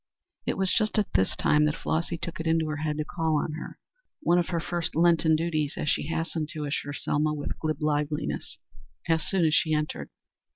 It was just at this time that Flossy took it into her head to call on her one of her first Lenten duties, as she hastened to assure Selma, with glib liveliness, as soon as she entered.